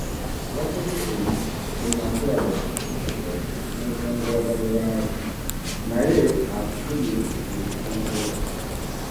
Wakoze ekyo kye naku-labula obutakola, n'osunguwaza lubaale, naye akukubye mu busungu bwe.